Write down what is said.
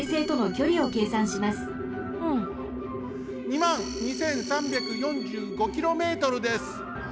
２まん２，３４５キロメートルです。